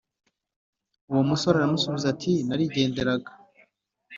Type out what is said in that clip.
Uwo musore aramusubiza ati narigenderaga